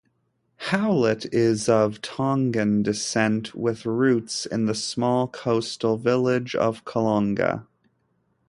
Howlett is of Tongan descent, with roots in the small coastal village of Kolonga.